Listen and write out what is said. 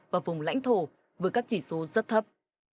và vùng lãnh thổ với các chỉ số rất thấp